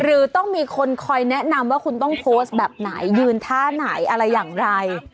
หรือต้องมีคนคอยแนะนำว่าคุณต้องโพสต์แบบไหนยืนท่าไหนอะไรอย่างไร